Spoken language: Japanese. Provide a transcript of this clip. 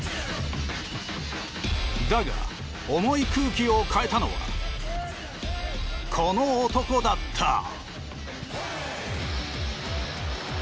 だが、重い空気を変えたのはこの男だった。